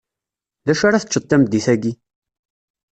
Dacu ara teččeḍ tameddit-aki?